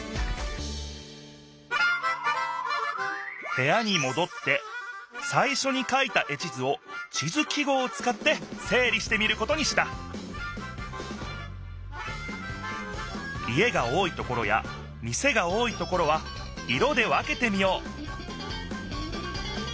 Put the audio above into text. へやにもどってさいしょに書いた絵地図を地図記号をつかってせい理してみることにした家が多いところや店が多いところは色で分けてみよう！